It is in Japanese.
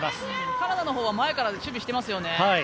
カナダのほうは前から守備していますよね。